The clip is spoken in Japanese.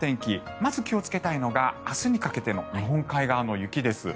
まず気をつけたいのが明日にかけての日本海側の雪です。